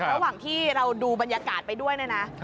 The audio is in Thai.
ระหว่างที่เราดูบรรยากาศไปด้วยเนี่ยนะ